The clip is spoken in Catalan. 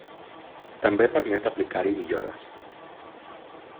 També permet aplicar-hi millores.